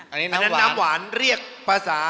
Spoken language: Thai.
อันนั้นน้ำหวานเรียกภาษา